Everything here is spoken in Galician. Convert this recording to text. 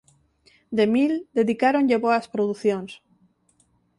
De Mille dedicáronlle boas producións.